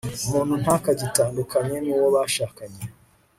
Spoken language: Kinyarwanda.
umuntu ntakagitandukanye nuwo bashakanye